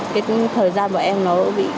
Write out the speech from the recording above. cái thời gian bọn em nó bị